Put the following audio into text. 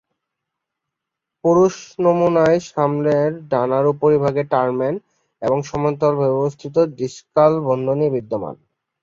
পুরুষ নমুনায় সামনের ডানার উপরিভাগে টার্মেন এর সমান্তরাল ভাবে অবস্থিত ডিসকাল বন্ধনী বিদ্যমান।